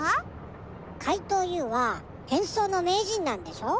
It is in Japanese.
かいとうＵはへんそうのめいじんなんでしょう。